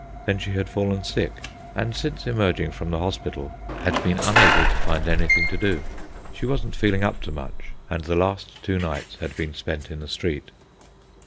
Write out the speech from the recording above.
Then she had fallen sick, and since emerging from the hospital had been unable to find anything to do. She wasn't feeling up to much, and the last two nights had been spent in the street.